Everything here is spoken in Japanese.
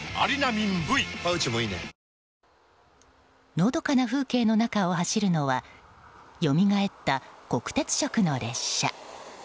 のどかな風景の中を走るのはよみがえった国鉄色の列車。